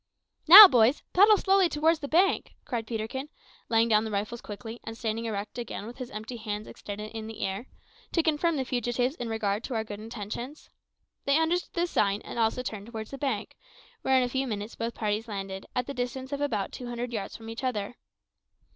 "Now, boys, paddle slowly towards the bank," cried Peterkin, laying down the rifles quickly and standing erect again with his empty hands extended in the air, to confirm the fugitives in regard to our good intentions. They understood the sign, and also turned toward the bank, where in a few minutes both parties landed, at the distance of about two hundred yards from each other.